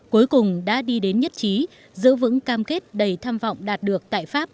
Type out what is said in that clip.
cuối cùng đã đi đến nhất trí giữ vững cam kết đầy tham vọng đạt được tại pháp